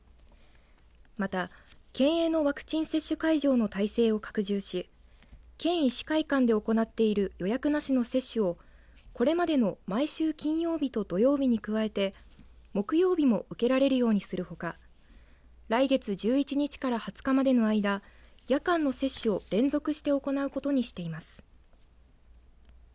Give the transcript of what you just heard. また、県営のワクチン接種会場の体制を拡充し県医師会館で行っている予約なしの接種をこれまでの毎週金曜日と土曜日に加えて木曜日も受けられるようにするほか来月１１日から２０日までの間夜間の接種を連続して行うことにしています。